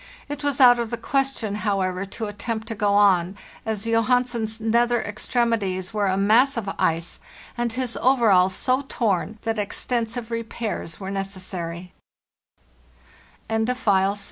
It was out of the question, however, to attempt to go on, as Johansen's nether extremities were a mass of ice and his overalls so torn that extensive repairs wer